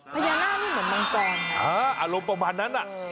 พญานาคมันเหมือนบางแปลงอารมณ์ประมาณนั้น